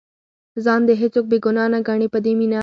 ځان دې هېڅوک بې ګناه نه ګڼي په دې مینه.